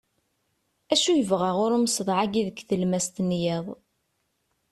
acu yebɣa ɣur-i umseḍḍeɛ-agi deg tlemmast n yiḍ